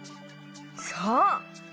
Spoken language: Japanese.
そう！